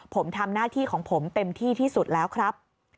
ผมทำหน้าที่ของผมเต็มที่ที่สุดแล้วครับ